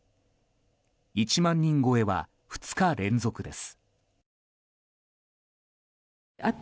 １万人超えは２日連続です。